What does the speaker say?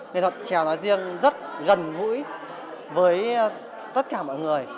nghệ thuật trèo nói riêng rất gần gũi với tất cả mọi người